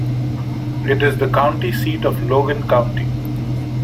It is the county seat of Logan County.